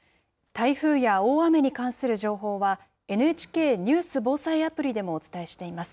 台風や大雨に関する情報は、ＮＨＫニュース・防災アプリでもお伝えしています。